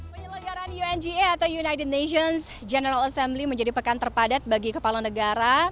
penyelenggaran ungga atau united nations general assembly menjadi pekan terpadat bagi kepala negara